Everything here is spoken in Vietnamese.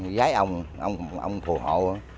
gái ông ông phù hộ